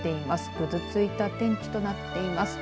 くずついた天気となっています。